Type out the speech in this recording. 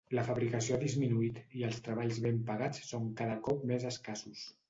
La fabricació ha disminuït i els treballs ben pagats són cada cop més escassos.